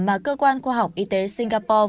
mà cơ quan khoa học y tế singapore